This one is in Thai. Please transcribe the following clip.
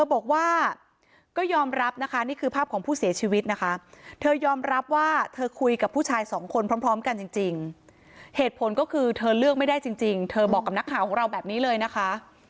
พร้อมพร้อมกันจริงจริงเหตุผลก็คือเธอเลือกไม่ได้จริงจริงเธอบอกกับนักข่าวของเราแบบนี้เลยนะคะ